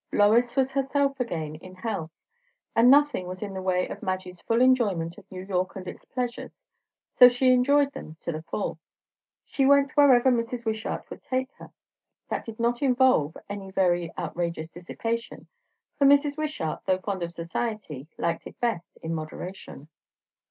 Lois was herself again, in health; and nothing was in the way of Madge's full enjoyment of New York and its pleasures, so she enjoyed them to the full. She went wherever Mrs. Wishart would take her. That did not involve any very outrageous dissipation, for Mrs. Wishart, though fond of society, liked it best in moderation.